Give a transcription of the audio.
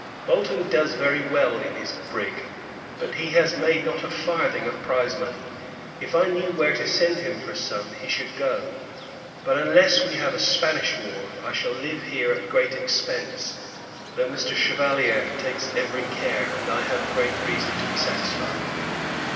Bolton does very well in his brig; but, he has made not a farthing of prize money. If I knew where to send him for some, he should go; but, unless we have a Spanish war, I shall live here at a great expence: although Mr. Chevalier takes every care, and I have great reason to be satisfied.